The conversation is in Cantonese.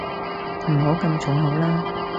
唔好咁重口啦